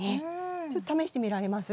ちょっと試してみられます？